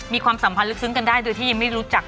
ความสัมพันธ์ลึกซึ้งกันได้โดยที่ยังไม่รู้จัก